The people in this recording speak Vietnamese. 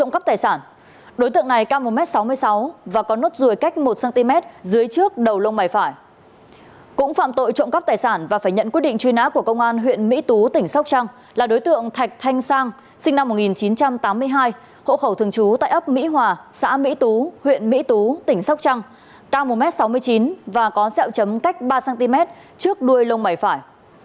cũng phạm tội trộm cắp tài sản và phải nhận quyết định truy nã của công an huyện mỹ tú tỉnh sóc trăng là đối tượng thạch thanh sang sinh năm một nghìn chín trăm tám mươi hai hộ khẩu thường trú tại ấp mỹ hòa xã mỹ tú huyện mỹ tú tỉnh sóc trăng cao một m sáu mươi chín và có xeo chấm cách ba cm trước đuôi lông bảy phải